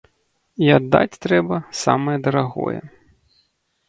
І аддаць трэба самае дарагое.